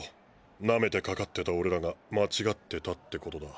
ナメてかかってた俺らが間違ってたってことだ。